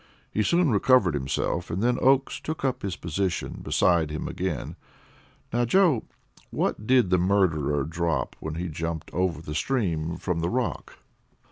He soon recovered himself, and then Oakes took up his position beside him again. "Now, Joe, what did the murderer drop when he jumped over the stream from the rock?"